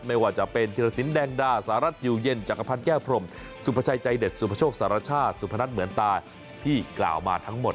ไม่ว่าจะเป็นธิรสินแดงดาสหรัฐอยู่เย็นจักรพันธ์แก้วพรมสุภาชัยใจเด็ดสุภาโชคสารชาติสุพนัทเหมือนตาที่กล่าวมาทั้งหมด